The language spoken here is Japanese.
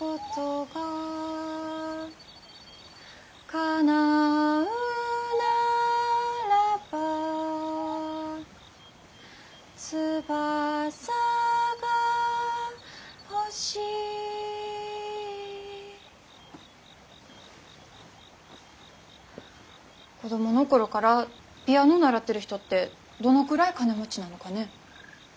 「かなうならば翼がほしい」子供の頃からピアノ習ってる人ってどのくらい金持ちなのかね。